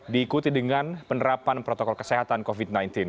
diikuti dengan penerapan protokol kesehatan covid sembilan belas